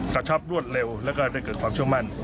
กระชับรวดเร็วแล้วก็ได้เกิดความเชื่อมั่น